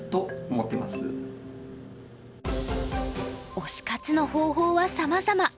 推し活の方法はさまざま。